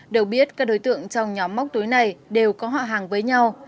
đầu biết các đối tượng trong nhóm móc túi này đều có họ hàng với nhau